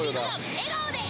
笑顔で。